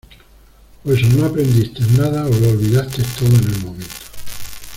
pues o no aprendiste nada, o lo olvidaste todo en el momento